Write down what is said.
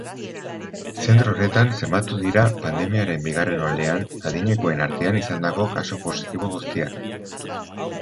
Zentro horretan zenbatu dira pandemiaren bigarren oldean adinekoen artean izandako kasu positibo guztiak.